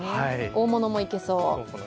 大物もいけそう。